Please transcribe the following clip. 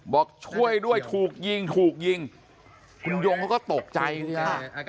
บอกช่วยด้วยถูกยิงถูกยิงคุณยงเขาก็ตกใจสิฮะ